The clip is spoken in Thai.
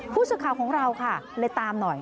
ผู้ชมของเราค่ะเลยตามหน่อย